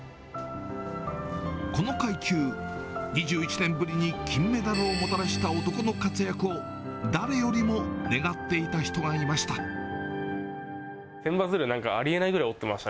この階級、２１年ぶりに金メダルをもたらした男の活躍を、誰よりも願っていた人がいました。